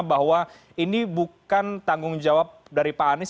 bahwa ini bukan tanggung jawab dari pak anies